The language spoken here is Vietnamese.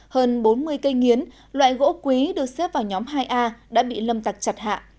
hơn bốn mươi cây nghiến loại gỗ quý được xếp vào nhóm hai a đã bị lâm tặc chặt hạ